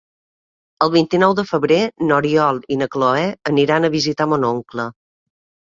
El vint-i-nou de febrer n'Oriol i na Cloè aniran a visitar mon oncle.